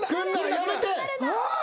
やめて！